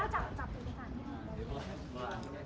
สวัสดีครับ